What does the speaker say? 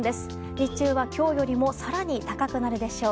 日中は今日よりも更に高くなるでしょう。